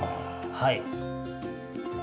はい。